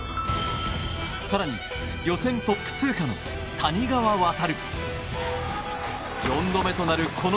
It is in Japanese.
更に、予選トップ通過の谷川航。